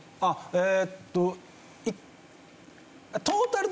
えーっと。